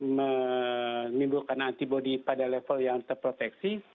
menimbulkan antibody pada level yang terproteksi